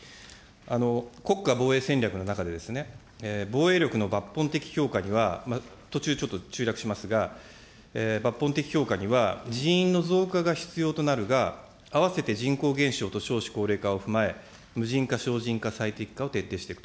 国家防衛戦略の中で、防衛力の抜本的強化には、途中、ちょっと中略しますが、抜本的強化には人員の増加が必要となるが、併せて人口減少と少子高齢化を踏まえ、無人化、省人化、最適化を徹底していくと。